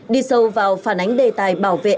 đi sâu vào phản ánh đề tài bảo vệ